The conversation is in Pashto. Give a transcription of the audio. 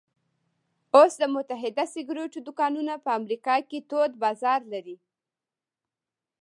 اوس د متحده سګرېټو دوکانونه په امریکا کې تود بازار لري